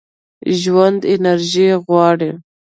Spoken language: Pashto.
ژوند انرژي غواړي.